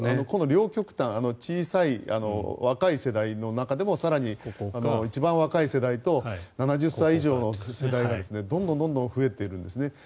この両極端若い世代の中でも更に一番若い世代と７０歳以上の世代がどんどん増えているんですね。